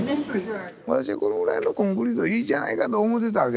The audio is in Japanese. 私はこのぐらいのコンクリートでいいじゃないかと思ってたわけですよ。